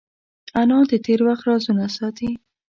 انا د تېر وخت رازونه ساتي